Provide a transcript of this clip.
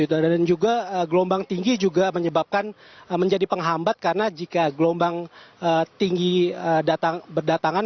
dan juga gelombang tinggi juga menyebabkan menjadi penghambat karena jika gelombang tinggi berdatangan